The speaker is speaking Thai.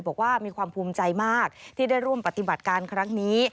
บอกว่ามีความภูมิใจมากที่ได้ร่วมปฏิบัติการครั้งนี้